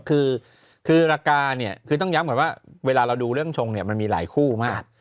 คือรากาเนี่ยคือต้องย้ำก่อนว่าเวลาเราดูเรื่องชงเนี่ยมันมีหลายคู่มาก